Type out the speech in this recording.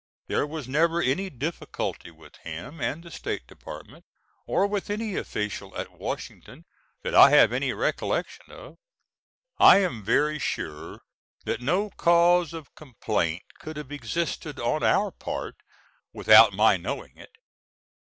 There was never any difficulty with him and the State Department, or with any official at Washington that I have any recollection of. I am very sure that no cause of complaint could have existed on our part without my knowing it.